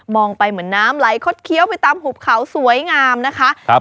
ไปเหมือนน้ำไหลคดเคี้ยวไปตามหุบเขาสวยงามนะคะครับ